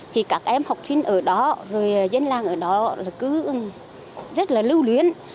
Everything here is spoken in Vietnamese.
thì các em học sinh ở đó rồi dân làng ở đó là cứ rất là lưu luyến